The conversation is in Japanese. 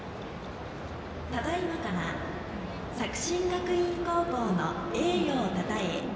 ただいまから作新学院高校の栄誉をたたえ